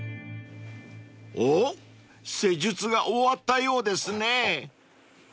［おっ施術が終わったようですね］